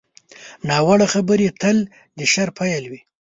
ناوړه خبرې تل د شر پیل وي